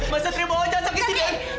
mas satria mohon jangan sakiti dewi